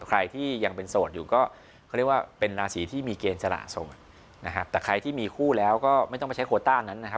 ใครที่ยังเป็นโสดอยู่ก็เขาเรียกว่าเป็นราศีที่มีเกณฑ์สละโสดนะครับแต่ใครที่มีคู่แล้วก็ไม่ต้องไปใช้โคต้านั้นนะครับ